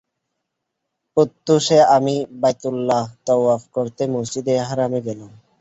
প্রত্যুষে আমি বাইতুল্লাহর তওয়াফ করতে মসজিদে হারামে গেলাম।